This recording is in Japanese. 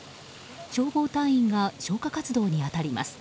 消防隊員が消火活動に当たります。